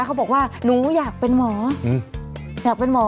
เขาบอกว่าหนูอยากเป็นหมออยากเป็นหมอ